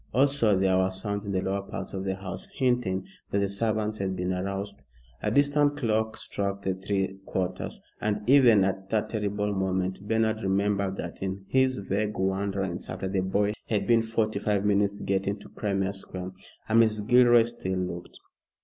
Also there were sounds in the lower parts of the house hinting that the servants had been aroused. A distant clock struck the three quarters, and even at that terrible moment Bernard remembered that in his vague wanderings after the boy he had been forty five minutes getting to Crimea Square. And Mrs. Gilroy still looked.